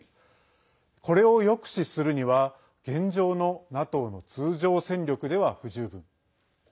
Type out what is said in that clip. これを抑止するには現状のＮＡＴＯの通常戦力では不十分。